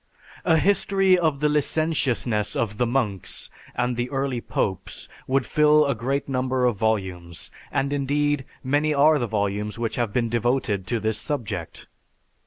A history of the licentiousness of the monks and the early popes would fill a great number of volumes; and indeed, many are the volumes which have been devoted to this subject.